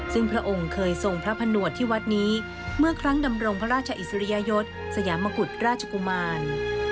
ซึ่งพระองค์เคยทรงพระผนวดที่วัดนี้เมื่อครั้งดำรงพระราชอิสริยยศสยามกุฎราชกุมาร